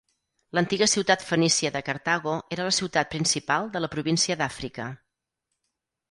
L'antiga ciutat fenícia de Cartago era la ciutat principal de la província d'Àfrica.